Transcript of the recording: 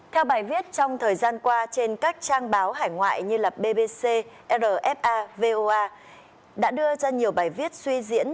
theo bài viết trong thời gian qua trên các trang báo hải ngoại như bbc rfa voa đã đưa ra nhiều bài viết suy diễn